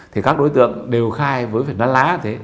thì các đối tượng đều khai với vẻ nát lá thế